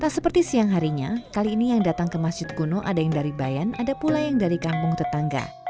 tak seperti siang harinya kali ini yang datang ke masjid kuno ada yang dari bayan ada pula yang dari kampung tetangga